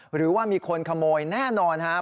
หรือว่ามีคนขโมยแน่นอนครับ